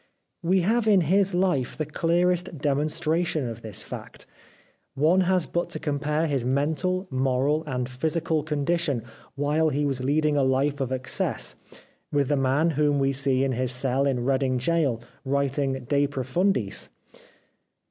We have in his life the clearest demonstration of this fact. One has but to compare his mental, moral, and physical condition while he was leading a life of excess, with the man whom we see in his cell in Reading Gaol, writing " De Profundis."